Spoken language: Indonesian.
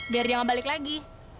biar dia gak balik lagi